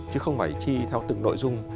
chứ không phải chi theo từng nội dung